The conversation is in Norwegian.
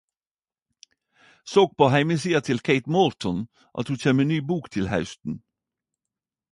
Såg på heimesida til Kate Morton at ho kjem med ny bok til hausten.